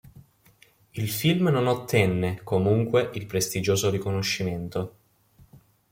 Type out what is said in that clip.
Il film non ottenne, comunque, il prestigioso riconoscimento.